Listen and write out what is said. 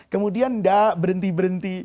kemudian tidak berhenti berhenti